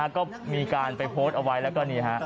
ก็มีการไปโพสต์เอาไว้แล้วก็นี่ฮะ